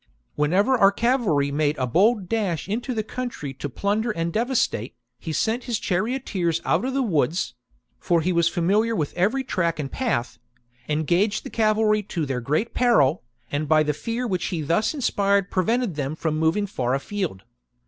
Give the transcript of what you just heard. Whenever our cavalry made a bold dash into the country to plunder and devastate, he sent his charioteers out of the woods (for he was familiar with every track and path ^), engaged the cavalry to their great peril, and by the fear which he thus inspired prevented them from moving far afield.